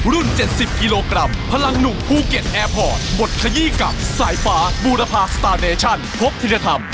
รุ่น๗๐กิโลกรัมพลังหนุ่มภูเก็ตแอร์พอร์ตบดขยี้กับสายฟ้าบูรพาสตาร์เนชั่นพบธิรธรรม